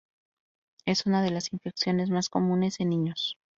Es una de las infecciones más comunes en niños.